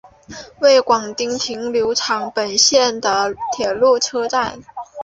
末广町停留场本线的铁路车站。